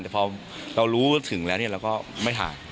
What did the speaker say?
แต่พอเรารู้ถึงแล้วเราก็ไม่ทาน